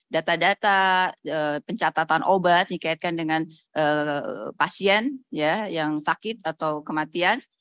data data pencatatan obat dikaitkan dengan pasien yang sakit atau kematian